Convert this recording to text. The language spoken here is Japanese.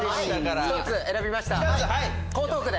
１つ選びました。